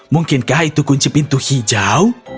mungkinkah itu kunci pintu hijau